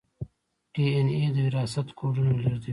ډي این اې د وراثت کوډونه لیږدوي